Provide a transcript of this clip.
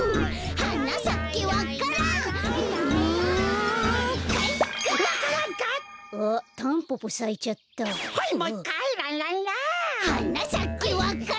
「はなさけわか蘭」